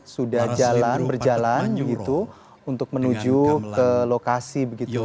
sudah berjalan untuk menuju ke lokasi